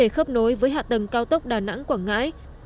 khớp nối với hạ tầng cao tốc đà nẵng quảng ngãi